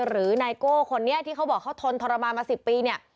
ไนโก้คนนี้ที่เขาบอกเขาทนทรมานมา๑๐ปีเนี่ย